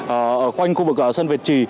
ở quanh khu vực sân việt trì